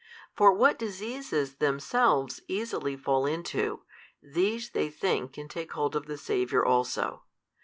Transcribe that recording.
For what diseases themselves easily fall into, these they think can take hold of the Saviour also.